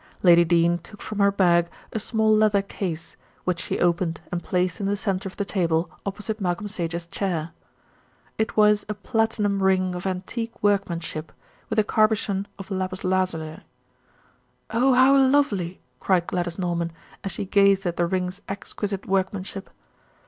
Lady Dene took from her bag a small leather case, which she opened and placed in the centre of the table opposite Malcolm Sage's chair. It was a platinum ring of antique workmanship, with a carbuchon of lapis lazuli. "Oh, how lovely!" cried Gladys Norman, as she gazed at the ring's exquisite workmanship.